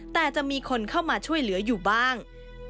แต่จะมีคนเข้ามาช่วยเหลืออยู่บ้าง